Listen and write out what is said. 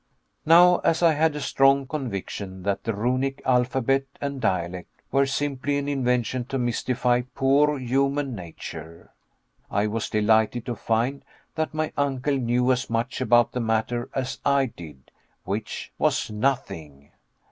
Now as I had a strong conviction that the Runic alphabet and dialect were simply an invention to mystify poor human nature, I was delighted to find that my uncle knew as much about the matter as I did which was nothing.